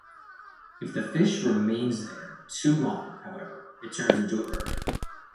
If the fish remains there too long, however, it turns into a bird.